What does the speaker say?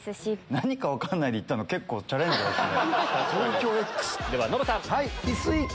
何か分からないで行ったの結構チャレンジャーですね。